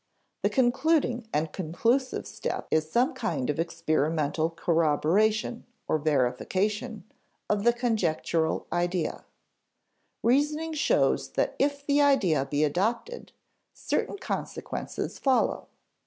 The concluding and conclusive step is some kind of experimental corroboration, or verification, of the conjectural idea. Reasoning shows that if the idea be adopted, certain consequences follow.